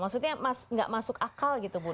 maksudnya enggak masuk akal gitu mbak